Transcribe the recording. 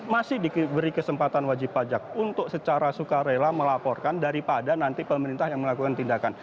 masih diberi kesempatan wajib pajak untuk secara sukarela melaporkan daripada nanti pemerintah yang melakukan tindakan